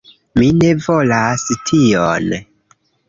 Mi ne volas tion